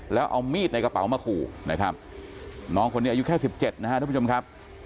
แล้วเอามีดในกระเป๋ามาขู่นะครับน้องคนนี้อายุแค่๑๗นะครับทุกผู้ชมครับ